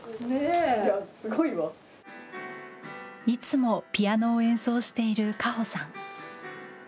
いつもピアノを演奏しているかほさん。